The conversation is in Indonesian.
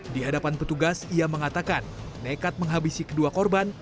di hadapan petugas ia mengatakan nekat menghabisi kedua korban